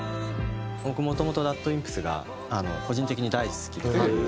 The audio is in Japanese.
僕もともとＲＡＤＷＩＭＰＳが個人的に大好きでファンで。